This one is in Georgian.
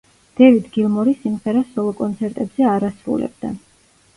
დევიდ გილმორი სიმღერას სოლო კონცერტებზე არ ასრულებდა.